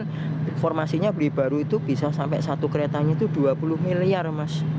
tapi kalau beli baru kemarin informasinya beli baru itu bisa sampai satu keretanya itu rp dua puluh miliar mas